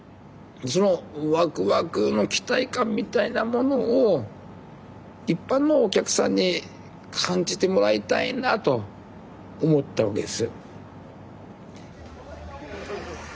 そのわくわくの期待感みたいなものを一般のお客さんに感じてもらいたいなと思ったわけです。